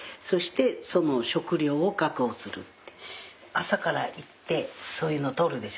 朝から行ってそういうの採るでしょ。